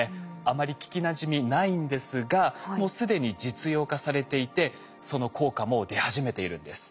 あまり聞きなじみないんですがもう既に実用化されていてその効果もう出始めているんです。